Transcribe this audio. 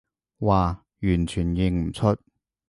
嘩，完全認唔出